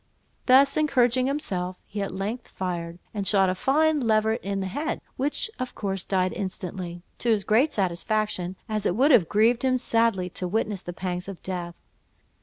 Thus encouraging himself, he at length fired, and shot a fine leveret in the head, which of course died instantly, to his great satisfaction, as it would have grieved him sadly to witness the pangs of death.